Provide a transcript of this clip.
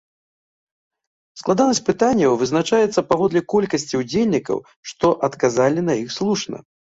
Складанасць пытанняў вызначаецца паводле колькасці ўдзельнікаў, што адказалі на іх слушна.